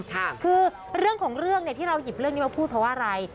ค่ะคือเรื่องของเรื่องที่เราหยิบเรื่องนี้มาพูดเพราะอะไร